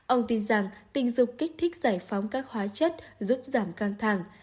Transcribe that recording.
ông tin rằng tình dục kích thích giải phóng các hóa chất giúp giảm căng thẳng